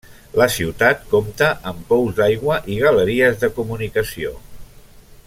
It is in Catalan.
La ciutat compta amb pous d'aigua i galeries de comunicació.